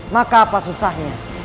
maka apa susahnya